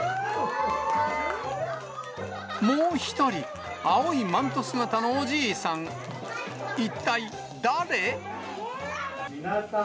もう１人、青いマント姿のおじいさん。